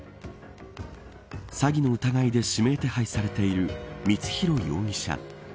詐欺の疑いで指名手配されている光弘容疑者。